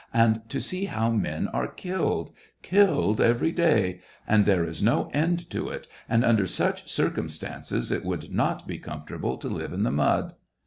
. and to see how men are killed, killed every day, — and there is no end to it, and under such circum stances it would not be comfortable to live in the mud."